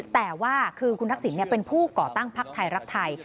แต่ว่าคือคุณทักษิณเป็นผู้ก่อตั้งพักไทยรักไทย